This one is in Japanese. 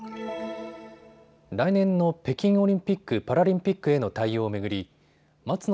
来年の北京オリンピック・パラリンピックへの対応を巡り松野